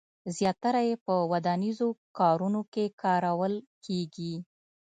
زیاتره یې په ودانیزو کارونو کې کارول کېږي.